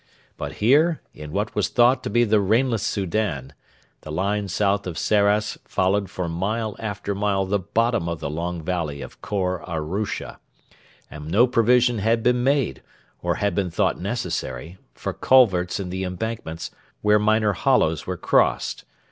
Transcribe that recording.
But here, in what was thought to be the rainless Soudan, the line south of Sarras followed for mile after mile the bottom of the long valley of Khor Ahrusa, and no provision had been made, or had been thought necessary, for culverts in the embankments where minor hollows were crossed.